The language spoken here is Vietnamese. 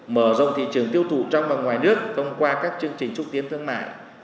mở rộng thị trường tiêu thụ trong và ngoài nước thông qua các chương trình trúc tiến thương mại